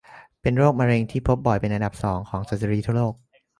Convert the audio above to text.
เป็นโรคมะเร็งที่พบบ่อยเป็นอันดับ สอง ของสตรีทั่วโลก